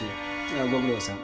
ああご苦労さん。